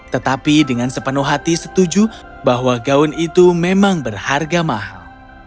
tetapi dengan sepenuh hati setuju bahwa gaun itu memang berharga mahal